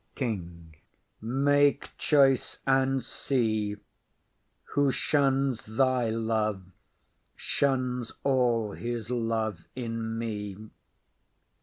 KING. Make choice; and, see, Who shuns thy love shuns all his love in me.